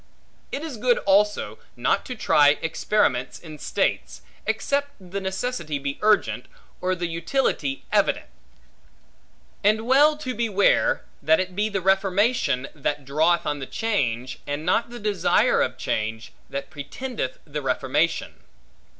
It is good also, not to try experiments in states, except the necessity be urgent, or the utility evident; and well to beware, that it be the reformation, that draweth on the change, and not the desire of change, that pretendeth the reformation.